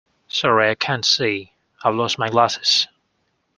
Sorry, I can't see. I've lost my glasses